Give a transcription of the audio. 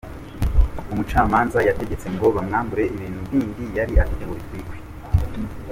Umucamanza yategetse ngo bamwambure ibintu bindi yari afite ngo bitwikwe.